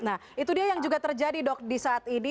nah itu dia yang juga terjadi dok di saat ini